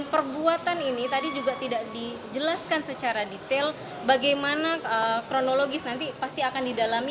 perbuatan ini tadi juga tidak dijelaskan secara detail bagaimana kronologis nanti pasti akan didalami